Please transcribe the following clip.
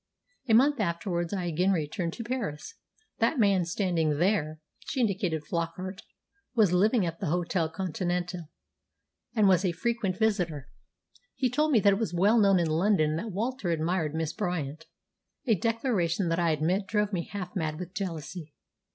A month afterwards I again returned to Paris. That man standing there" she indicated Flockart "was living at the Hôtel Continental, and was a frequent visitor. He told me that it was well known in London that Walter admired Miss Bryant, a declaration that I admit drove me half mad with jealousy."